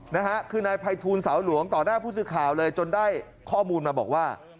นะฮะคือนายภัยทูลสาวหลวงต่อหน้าผู้สื่อข่าวเลยจนได้ข้อมูลมาบอกว่า